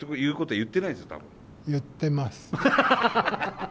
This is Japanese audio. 言ってます。